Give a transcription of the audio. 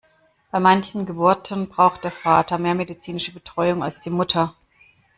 Bei manchen Geburten braucht der Vater mehr medizinische Betreuung als die Mutter.